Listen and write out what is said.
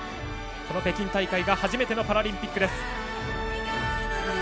この北京大会が初めてのパラリンピックです。